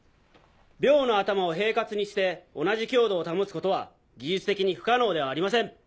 鋲の頭を平滑にして同じ強度を保つことは技術的に不可能ではありません。